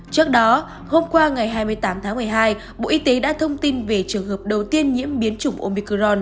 trước đó hôm qua ngày hai mươi tám tháng một mươi hai bộ y tế đã thông tin về trường hợp đầu tiên nhiễm biến chủng omicron